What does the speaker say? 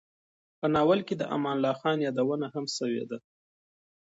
په ناول کې د امان الله خان یادونه هم شوې ده.